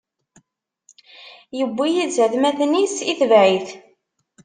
Iwwi yid-s atmaten-is, itebɛ-it;